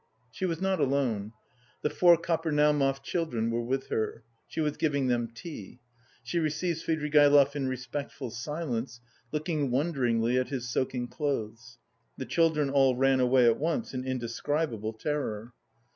She was not alone: the four Kapernaumov children were with her. She was giving them tea. She received Svidrigaïlov in respectful silence, looking wonderingly at his soaking clothes. The children all ran away at once in indescribable terror.